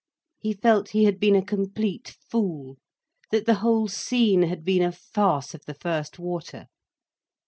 He felt he had been a complete fool, that the whole scene had been a farce of the first water.